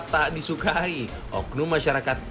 tak disukai oknum masyarakat